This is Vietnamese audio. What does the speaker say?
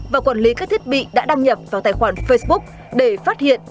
và quản lý các thiết bị đã đăng nhập vào tài khoản facebook để phát hiện